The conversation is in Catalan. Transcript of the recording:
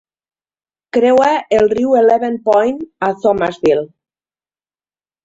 Creua el riu Eleven Point a Thomasville.